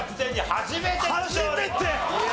初めて！